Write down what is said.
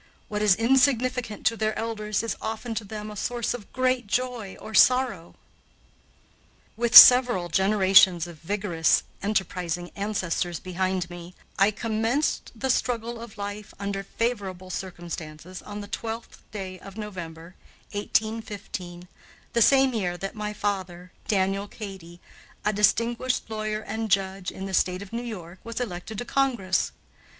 What is insignificant to their elders is often to them a source of great joy or sorrow. With several generations of vigorous, enterprising ancestors behind me, I commenced the struggle of life under favorable circumstances on the 12th day of November, 1815, the same year that my father, Daniel Cady, a distinguished lawyer and judge in the State of New York, was elected to Congress.